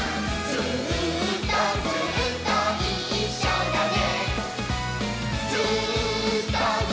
「ずーっとずっといっしょだね」